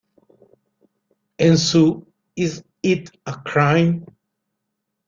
En su: "Is it a Crime?